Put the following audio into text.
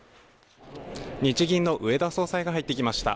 日銀の植田総裁が入ってきました。